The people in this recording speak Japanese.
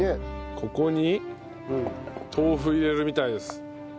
ここに豆腐入れるみたいです。